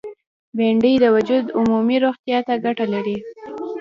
بېنډۍ د وجود عمومي روغتیا ته ګټه لري